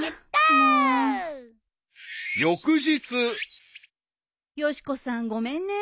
［翌日］よし子さんごめんね。